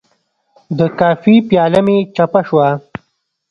د کافي پیاله مې چپه شوه.